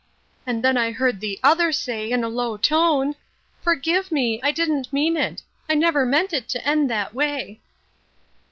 And then I heard the other say in a low tone, 'Forgive me, I didn't mean it. I never meant it to end that way.'